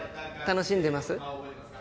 楽しんでます？